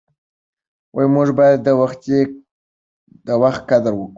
موږ باید د وخت قدر وکړو.